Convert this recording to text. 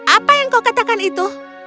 apa yang kau katakan itu